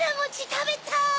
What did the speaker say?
たべたい！